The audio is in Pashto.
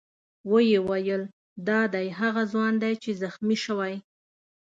ویې ویل: دا دی هغه ځوان دی چې زخمي شوی.